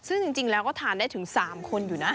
ซึ่งจริงแล้วก็ทานได้ถึง๓คนอยู่นะ